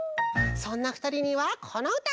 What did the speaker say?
そんなふたりにはこのうた！